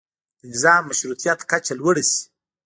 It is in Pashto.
د نظام مشروطیت کچه لوړه شي.